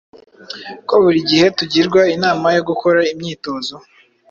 ko buri gihe tugirwa inama yo gukora imyitozo